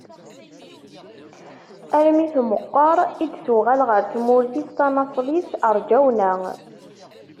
Armi tmeqqer i d-tuɣal ɣer tmurt-is tanaṣlit Rǧawna.